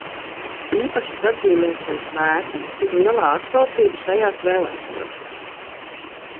Īpašas atzīmēšanas vērta ir lielā atsaucība šajās vēlēšanās.